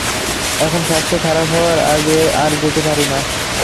এখন স্বাস্থ্য খারাপ হওয়ায় আর যেতে পারি না।